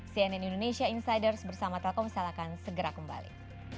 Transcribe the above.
cnn indonesia insiders bersama telkomsel akan segera kembali